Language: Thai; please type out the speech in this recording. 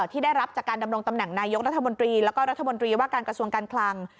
ที่ได้รับจากการดำรงตำแหน่งนายกรัฐมนตรีแล้วก็รัฐมนตรีว่าการกระทรวงการคลัง